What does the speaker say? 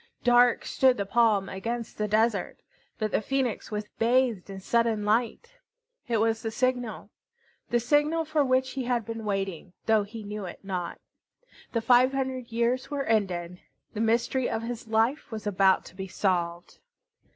Dark stood the palm against the desert, but the Phoenix was bathed in sudden light. It was the signal, the signal for which he had been waiting, though he knew it not. The five hundred years were ended. The mystery of his life was about to be solved.